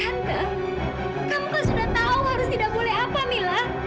kamu kan sudah tahu harus tidak boleh apa mila